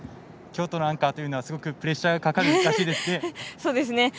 京都のアンカーというのはすごくプレッシャーがかかるらしいですね。